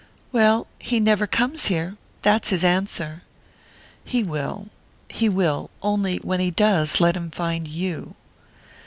"Well, he never comes here! That's his answer." "He will he will! Only, when he does, let him find you."